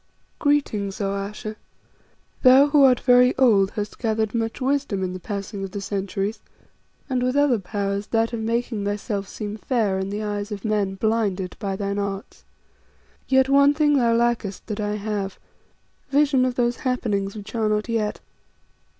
"Greetings, O Ayesha. Thou who art very old, hast gathered much wisdom in the passing of the centuries, and with other powers, that of making thyself seem fair in the eyes of men blinded by thine arts. Yet one thing thou lackest that I have vision of those happenings which are not yet.